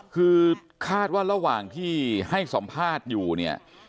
คือคาดว่าระหว่างที่ให้สัมภาษณ์อยู่เนี่ย